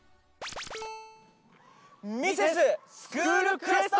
『ミセススクールクエスト』！